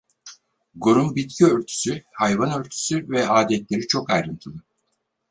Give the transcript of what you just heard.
Gor'un bitki örtüsü, hayvan örtüsü ve adetleri çok ayrıntılı.